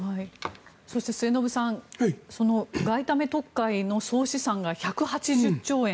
そして末延さん外為特会の総資産が１８０兆円。